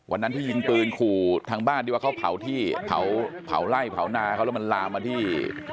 วันนั้นที่ยิงปืนขู่ทางบ้านที่ว่าเขาเผาที่เผาไล่เผานาเขาแล้วมันลามมาที่